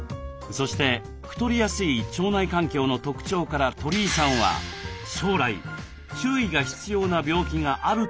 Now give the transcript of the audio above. そして太りやすい腸内環境の特徴から鳥居さんは将来注意が必要な病気があると指摘。